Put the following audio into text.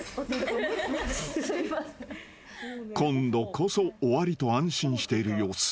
［今度こそ終わりと安心している様子］